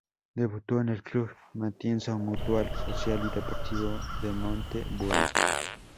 Debutó en el Club Matienzo Mutual, Social y Deportivo de Monte Buey.